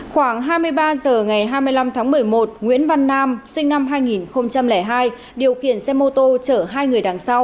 khoảng hai mươi ba h ngày hai mươi năm tháng một mươi một nguyễn văn nam sinh năm hai nghìn hai điều khiển xe mô tô chở hai người đằng sau